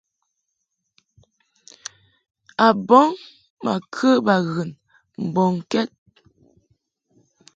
Abɔŋ ma kə baghɨn mbɔŋkɛd.